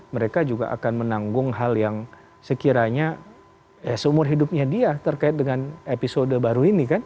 mereka juga akan menanggung hal yang sekiranya seumur hidupnya dia terkait dengan itu